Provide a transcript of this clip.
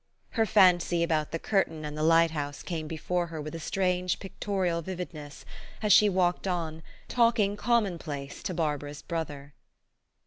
Her fancy about the curtain and the light house came before her with a strange, pictorial vividness, as she walked on, talking common place to Barbara's brother.